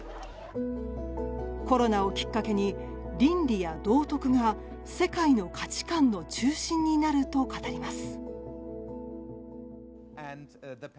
コロナをきっかけに倫理や道徳が世界の価値観の中心になると語ります。